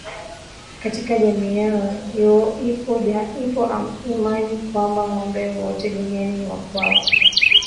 Katika jamii yao ipo imani kwamba ngombe wote duniani ni wa kwao